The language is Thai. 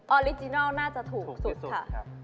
อริจินัลน่าจะถูกสุดค่ะ